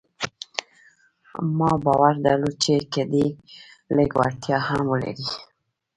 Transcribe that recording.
ما باور درلود چې که دی لږ وړتيا هم ولري.